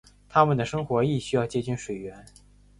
它们的生活亦需要接近水源。